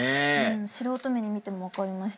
素人目に見ても分かりました。